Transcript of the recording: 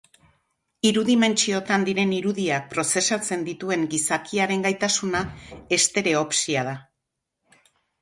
Hiru dimentsiotan diren irudiak prozesatzen dituen gizakiaren gaitasuna, estereopsia da.